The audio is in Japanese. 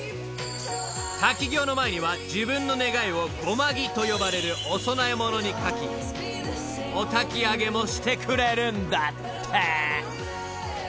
［滝行の前には自分の願いを護摩木と呼ばれるお供え物に書きおたきあげもしてくれるんだって］